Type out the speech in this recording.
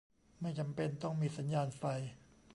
ไม่จำเป็นต้องมีสัญญาณไฟ